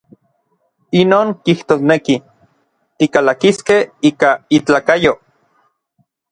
Inon kijtosneki, tikalakiskej ika itlakayo.